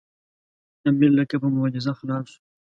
امیر لکه په معجزه خلاص شو.